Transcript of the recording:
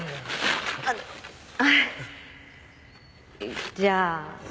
あっじゃあ。